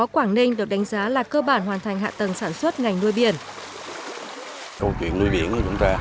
quảng ninh được đánh giá là cơ bản hoàn thành hạ tầng sản xuất ngành nuôi biển